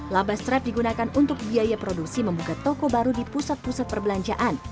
laba strap digunakan untuk biaya produksi membuka toko baru di pusat pusat perbelanjaan